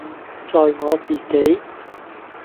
在我自己，